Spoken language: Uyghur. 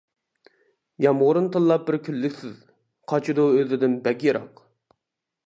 يامغۇرنى تىللاپ بىر كۈنلۈكسىز، قاچىدۇ ئۆزىدىن بەك يىراق.